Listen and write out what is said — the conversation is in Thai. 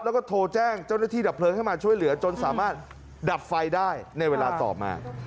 แล้วก็โทรแจ้งเจ้าหน้าที่ดับเพลิงให้มาช่วยเหลือจนสามารถดับไฟได้ในเวลาต่อมา